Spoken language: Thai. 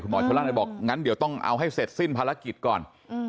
หมอชนล่าเลยบอกงั้นเดี๋ยวต้องเอาให้เสร็จสิ้นภารกิจก่อน